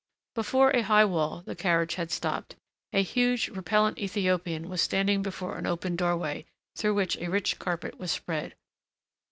Before a high wall the carriage had stopped. A huge, repellent Ethiopian was standing before an opened doorway, through which a rich carpet was spread.